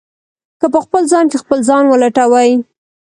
که په خپل ځان کې خپل ځان ولټوئ.